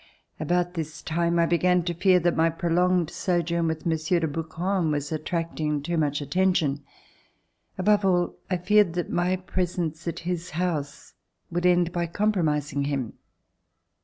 About this time I began to fear that my prolonged sojourn with Monsieur de Brouquens was attracting too much attention. Above all, I feared that my presence at his house would end by compromising him.